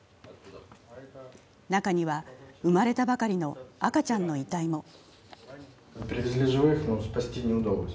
中には生まれたばかりの赤ちゃんの遺体も。